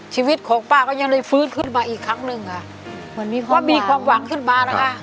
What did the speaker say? ชีวิตของป้าก็ยังเลยฟื้นขึ้นมาอีกครั้งหนึ่งค่ะเหมือนมีความหวังขึ้นมานะคะ